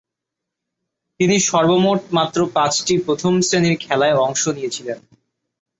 তিনি সর্বমোট মাত্র পাঁচটি প্রথম-শ্রেণীর খেলায় অংশ নিয়েছিলেন।